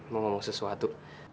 mau ngomong sesuatu